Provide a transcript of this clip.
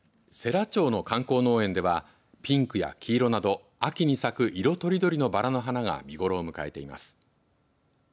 世羅町の観光農園ではピンクや黄色など秋に咲く色とりどりのばらの花が見頃を迎えています。